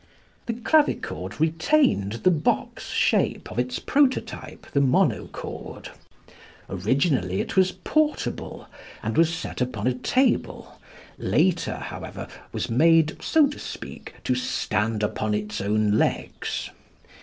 The clavichord retained the box shape of its prototype, the monochord. Originally it was portable and was set upon a table; later, however, was made, so to speak, to stand upon its own legs.